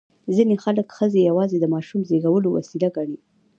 ځینې خلک ښځې یوازې د ماشوم زېږولو وسیله ګڼي.